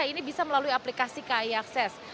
ini bisa melalui aplikasi kai akses